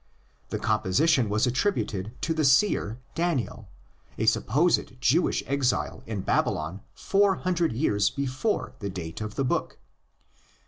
The composition was attributed to the seer Daniel, a supposed Jewish exile in Babylon four hundred years before the date of the book.